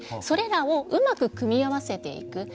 それらをうまく組み合わせていく。